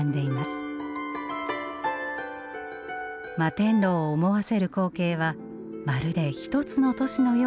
摩天楼を思わせる光景はまるで一つの都市のようだと表現されています。